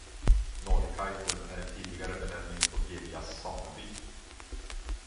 Norrkaitum är en tidigare benämning på Girjas sameby.